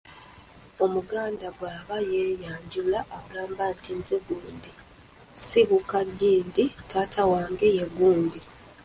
Omuganda bw’aba yeeyanjula agamba nti nze gundi, nsibuka gindi, taata wange ye gundi.